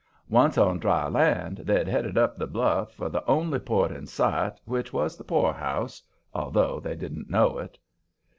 Once on dry land, they'd headed up the bluff for the only port in sight, which was the poorhouse although they didn't know it.